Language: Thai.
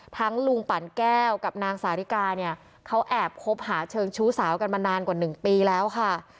ลุงปั่นแก้วกับนางสาริกาเนี่ยเขาแอบคบหาเชิงชู้สาวกันมานานกว่า๑ปีแล้วค่ะ